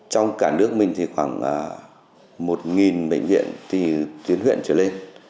trong cả nước mình thì khoảng một bệnh viện tiến huyện trở lên